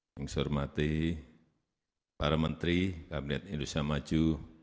yang saya hormati para menteri kabinet indonesia maju